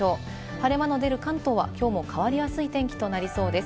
晴れ間の出る関東はきょうも変わりやすい天気となりそうです。